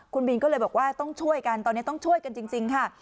คุณบินก็เลยบอกว่าต้องช่วยกันตอนนี้ต้องช่วยกันจริงค่ะ